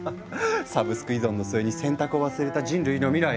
サブスク依存の末に選択を忘れた人類の未来。